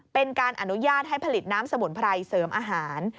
เป็นการอนุญาตให้ผลิตน้ำสมุนไพรเสริมอาหาร